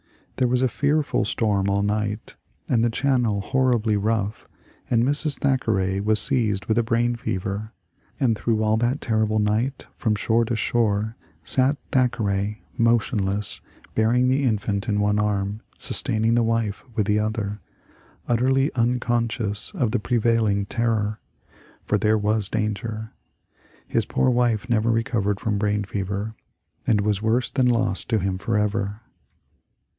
There was a fearful storm all night, and the Channel horribly rough, and Mrs. Thackeray was seized with a brain fever. And through all that terrible night, from shore to shore, sat Thackeray, motionless, bear ing the infant in one arm, sustaining the wife with the other, utterly unconscious of the prevailing terror, — for there was danger. His poor wife never recovered from brain fever, and was worse than lost to him forever."